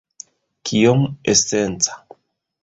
Kiom esenca?